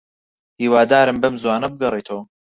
هیوادارم بەم زووانە بگەڕێیتەوە.